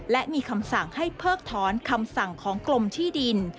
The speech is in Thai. และมีคำสั่งให้เพิกถอนคำสั่งของกรมที่ดิน